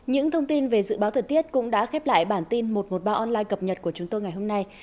những thông tin về dự báo thời tiết cũng đã khép lại bản tin một trăm một mươi ba online cập nhật của chúng tôi ngày hôm nay